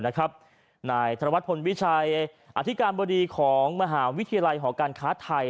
นายธนวัฒนพลวิชัยอธิการบดีของมหาวิทยาลัยหอการค้าไทย